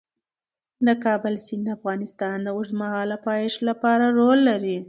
د کابل سیند د افغانستان د اوږدمهاله پایښت لپاره مهم رول لري.